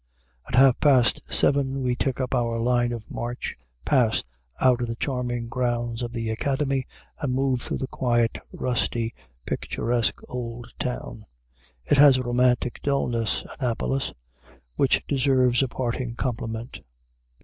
At half past seven we take up our line of march, pass out of the charming grounds of the Academy, and move through the quiet, rusty, picturesque old town. It has a romantic dullness, Annapolis, which deserves a parting compliment.